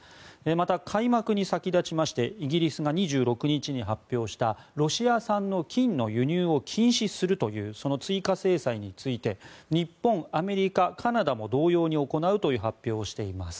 また、開幕に先立ちましてイギリスが２６日に発表したロシア産の金の輸入を禁止するという追加制裁について日本、アメリカ、カナダも同様に行うという発表をしています。